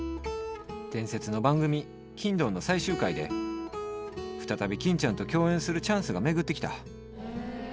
伝説の番組『欽ドン！』の最終回で再び欽ちゃんと共演するチャンスが巡って来た